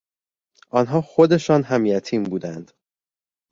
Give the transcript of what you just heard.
آنها خودشان هم یتیم بودند.